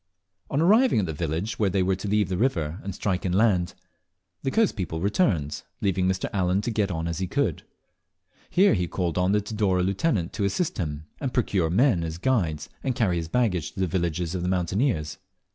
On arriving at the village where they were to leave the river and strike inland, the coast people returned, leaving Mr. Allen to get on as he could. Here he called on the Tidore lieutenant to assist him, and procure men as guides and to carry his baggage to the villages of the mountaineers.